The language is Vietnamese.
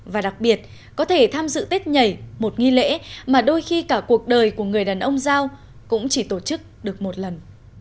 và đặc biệt có thể tham dự tết nhảy một nghi lễ mà đôi khi cả cuộc đời của người đàn ông giao cũng chỉ tổ chức được một lần